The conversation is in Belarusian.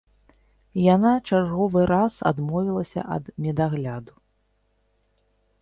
Яна чарговы раз адмовілася ад медагляду.